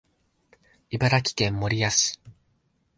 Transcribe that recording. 茨城県守谷市